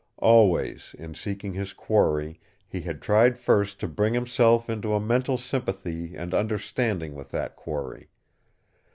Always, in seeking his quarry, he had tried first to bring himself into a mental sympathy and understanding with that quarry.